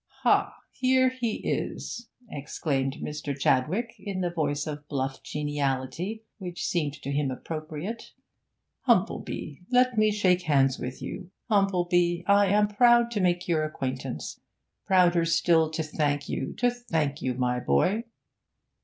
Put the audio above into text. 'Ha! here he is!' exclaimed Mr. Chadwick, in the voice of bluff geniality which seemed to him appropriate. 'Humplebee, let me shake hands with you! Humplebee, I am proud to make your acquaintance; prouder still to thank you, to thank you, my boy!'